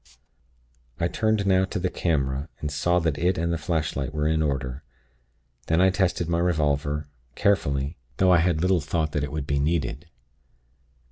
"I turned now to the camera, and saw that it and the flashlight were in order. Then I tested my revolver, carefully, though I had little thought that it would be needed.